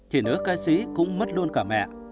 thì nữ ca sĩ cũng mất luôn cả mẹ